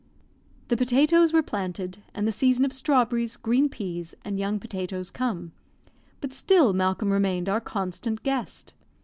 The potatoes were planted, and the season of strawberries, green peas, and young potatoes come, but still Malcolm remained our constant guest.